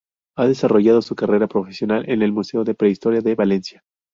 Ha desarrollado su carrera profesional en el Museo de Prehistoria de Valencia.